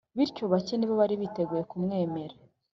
” bityo bake ni bo bari biteguye kumwemera